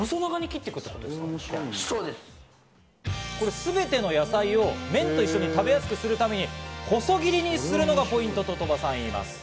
すべての野菜を麺と一緒に食べやすくするために細切りにすることが鳥羽ポイントといいます。